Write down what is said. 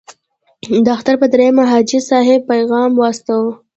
د اختر په دریمه حاجي صاحب پیغام واستاوه.